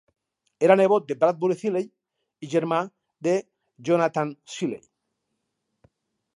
Era nebot de Bradbury Cilley i germà de Jonathan Cilley.